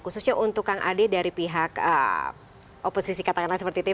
khususnya untuk kang ade dari pihak oposisi katakanlah seperti itu